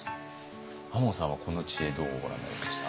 亞門さんはこの知恵どうご覧になりました？